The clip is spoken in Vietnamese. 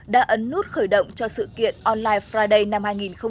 đã ấn nút khởi động cho sự kiện online friday năm hai nghìn một mươi chín